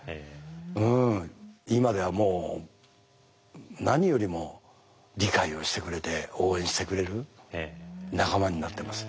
うん今ではもう何よりも理解をしてくれて応援してくれる仲間になってます。